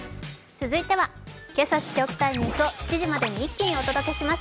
続いては今朝知っておきたいニュースを７時までに一気にお届けします。